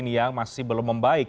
yang masih belum membaik